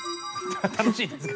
楽しいですか？